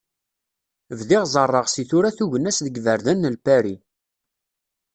Bdiɣ ẓerreɣ si tura tugna-s deg yiberdan n Lpari.